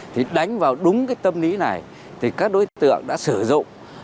thì đánh vào đúng cái tâm lý này thì các đối tượng đã sử dụng